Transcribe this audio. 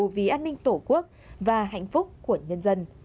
vì an ninh tổ quốc và hạnh phúc của nhân dân